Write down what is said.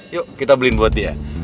yuk kita beliin buat dia